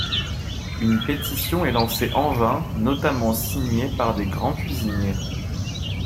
Une pétition est lancée en vain, notamment signée par des grands cuisiniers.